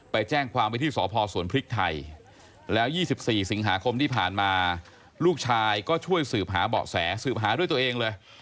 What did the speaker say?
ไปแจ้งความไว้ที่สพสวนพริกไทยแล้ว๒๔สิงหาคมที่ผ่านมาลูกชายก็ช่วยสืบหาเบาะแสสืบหาด้วยตัวเองเลย